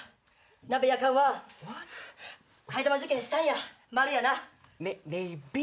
なべやかんは替え玉受験したんや「○」やな。